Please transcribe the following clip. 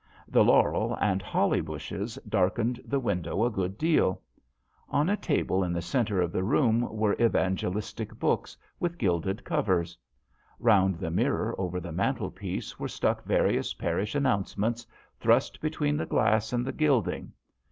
The laurel and holly bushes darkened the win dow a good deal. On a table in the centre of the room were evangelistic books with gilded covers. Round the mirror over the mantlepiece were stuck various parish announcements, thrust between the glass and the gilding.